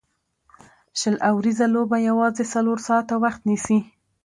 شل اووريزه لوبه یوازي څلور ساعته وخت نیسي.